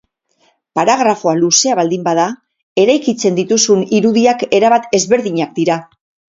Paragrafoa luzea baldin bada, eraikitzen dituzun irudiak erabat ezberdinak dira.